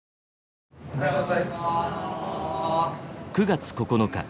９月９日。